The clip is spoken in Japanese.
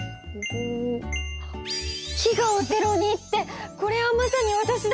「飢餓をゼロに」ってこれはまさにわたしだ！